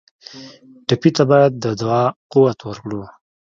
ټپي ته باید د دعا قوت ورکړو.